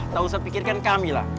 tak usah pikirkan kami lah